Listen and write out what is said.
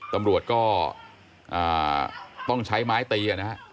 ตำรวจก็ต้องใช้ไม้ตีนะฮะ